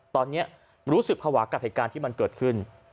ตอนนี้รู้สึกภาวะกับเหตุการณ์ที่มันเกิดขึ้น